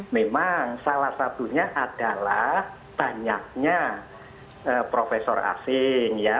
memang salah satunya adalah banyaknya profesor asing ya